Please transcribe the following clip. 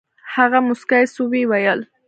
هغه موسكى سو ويې ويل.